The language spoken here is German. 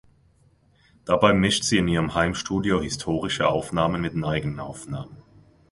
Dabei mischt sie in ihrem Heimstudio historische Aufnahmen mit den eigenen Aufnahmen.